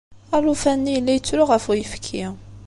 Alufan-nni yella yettru ɣef uyefki.